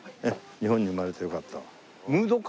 『日本に生まれてよかった』。